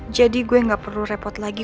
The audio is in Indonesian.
jadi gue gak perlu repot lagi